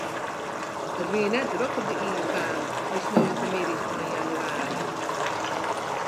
It wie net drok op de iisbaan, dy saterdeitemiddeis ein jannewaris.